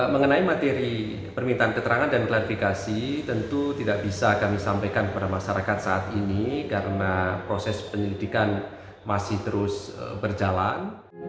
mengenai materi permintaan keterangan dan klarifikasi tentu tidak bisa kami sampaikan kepada masyarakat saat ini karena proses penyelidikan masih terus berjalan